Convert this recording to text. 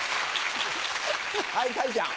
はいたいちゃん。